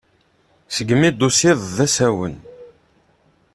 Segmi i d-tusiḍ d asawen.